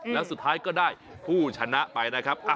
แล้วสุดท้ายก็ได้ผู้ชนะไปนะครับ